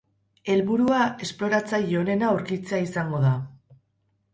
Helburua esploratzaile onena aurkitzea izango da.